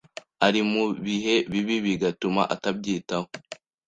ari mu bihe bibi bigatuma atabyitaho;